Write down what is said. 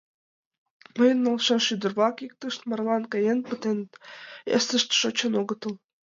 Мыйын налшаш ӱдыр-влак иктышт марлан каен пытеныт, весышт шочын огытыл.